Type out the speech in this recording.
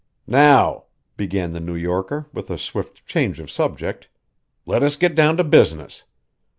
"Now," began the New Yorker with a swift change of subject, "let us get down to business.